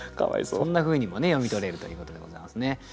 そんなふうにもね読み取れるということでございますね。